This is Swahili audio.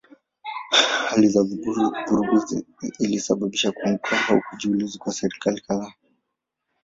Hali ya vurugu ilisababisha kuanguka au kujiuzulu kwa serikali kadhaa.